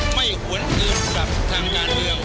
ไม่หวนอื่นกับทางด้านเดียว